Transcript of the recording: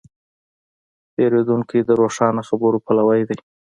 پیرودونکی د روښانه خبرو پلوی دی.